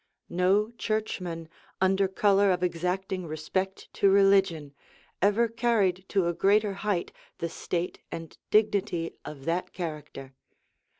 No churchman, under color of exacting respect to religion, ever carried to a greater height the state and dignity of that character.